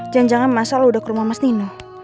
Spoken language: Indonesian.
jangan jangan mas al udah ke rumah mas nino